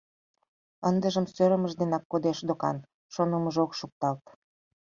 Ындыжым сӧрымыж денак кодеш докан, шонымыжо ок шукталт.